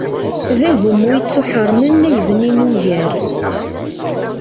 D agummu yettuḥeṛṛmen ay bnin ugar.